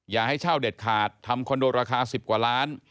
อย่าให้เช่าเด็ดขาดทำคอนโดราคา๑๐กว่าล้าน